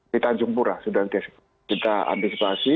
di tanjung pura sudah kita antisipasi